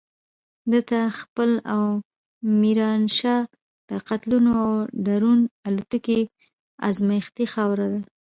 دته خېل او ميرانشاه د قتلونو او ډرون الوتکو ازمايښتي خاوره ده.